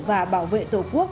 và bảo vệ tổ quốc